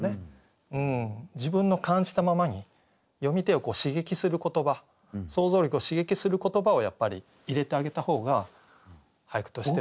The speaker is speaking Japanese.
自分の感じたままに読み手を刺激する言葉想像力を刺激する言葉をやっぱり入れてあげた方が俳句としてはいいかと。